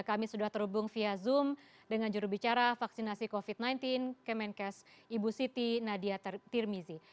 kami sudah terhubung via zoom dengan jurubicara vaksinasi covid sembilan belas kemenkes ibu siti nadia tirmizi